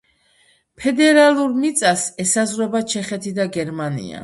ფედერალურ მიწას ესაზღვრება ჩეხეთი და გერმანია.